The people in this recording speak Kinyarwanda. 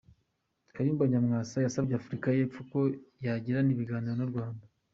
Kayumba Nyamwasa yasabye Afurika y’Epfo ko yagirana ibiganiro n’ u Rwanda.